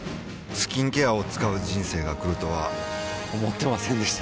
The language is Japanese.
スキンケアを使う人生が来るとは思ってませんでした